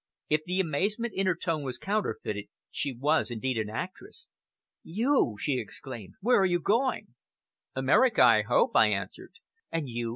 If the amazement in her tone was counterfeited, she was indeed an actress. "You!" she exclaimed. "Where are you going?" "America, I hope," I answered. "And you?